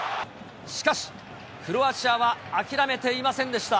しかし、クロアチアは諦めていませんでした。